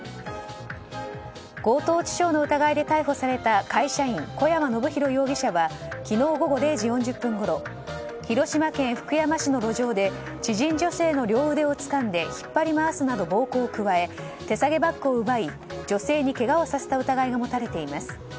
強盗致傷の疑いで逮捕された会社員・小山伸廣容疑者は昨日午後０時４０分ごろ広島県福山市の路上で知人女性の両腕をつかんで引っ張り回すなど暴行を加え、手提げバッグを奪い女性にけがをさせた疑いが持たれています。